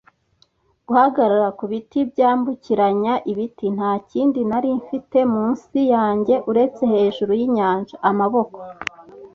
guhagarara ku biti byambukiranya ibiti nta kindi nari mfite munsi yanjye uretse hejuru yinyanja. Amaboko,